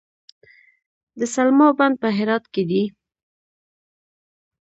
د سلما بند په هرات کې دی